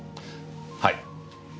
はい。